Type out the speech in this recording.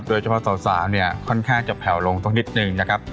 โดยเฉพาะสาวเนี่ยค่อนข้างจะแผ่วลงสักนิดนึงนะครับ